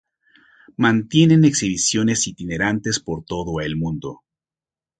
Mantienen exhibiciones itinerantes por todo el mundo.